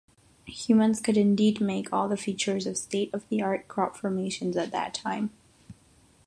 Humans could indeed make all the features of state-of-the-art crop formations at that time.